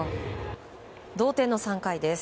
同点の３回です。